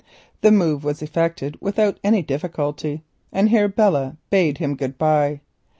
The move was effected without any difficulty, and here Belle bade him good bye.